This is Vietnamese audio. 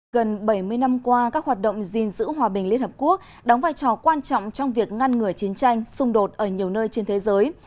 gần bảy mươi năm qua các hoạt động gìn giữ hòa bình liên hợp quốc đóng vai trò quan trọng trong việc ngăn ngừa chiến tranh xung đột ở nhiều nơi trên thế giới